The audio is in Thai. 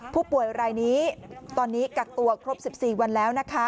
ผู้ป่วยรายนี้ตอนนี้กักตัวครบ๑๔วันแล้วนะคะ